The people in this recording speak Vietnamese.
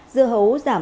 dưa hấu giảm tám chín